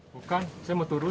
bukan saya mau turun